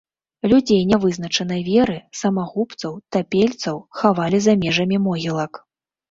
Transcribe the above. Людзей нявызначанай веры, самагубцаў, тапельцаў хавалі за межамі могілак.